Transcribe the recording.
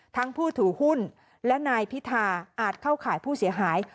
ผู้ถือหุ้นและนายพิธาอาจเข้าข่ายผู้เสียหาย